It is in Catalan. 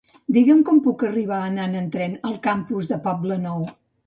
Digue'm com puc arribar anant en tren al campus de Poblenou.